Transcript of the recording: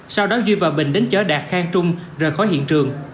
sau đó duy và bình đến chở đạt khang trung rời khỏi hiện trường